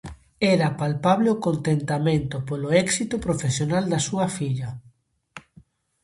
Era palpable o contentamento polo éxito profesional da súa filla.